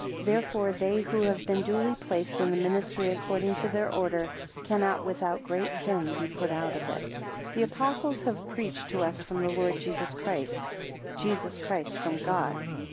16 Therefore they who have been duly placed in the ministry according to their order, cannot without great sin be put out of it. THE Apostles have preached to us from the Lord Jesus Christ Jesus Christ from God.